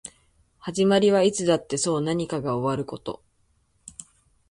始まりはいつだってそう何かが終わること